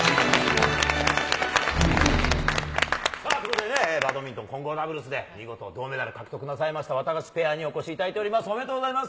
さあ、ということでね、バドミントン混合ダブルスで見事銅メダル獲得なさいました、ワタガシペアにお越しいただいております、おめでとうございます。